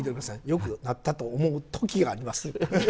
「良くなったと思う時があります」。